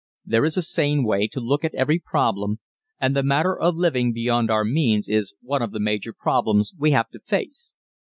There is a sane way to look at every problem, and the matter of living beyond our means is one of the major problems we have to face.